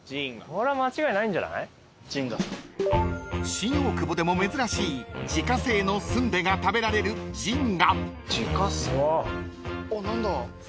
［新大久保でも珍しい自家製のスンデが食べられる］わすげえ。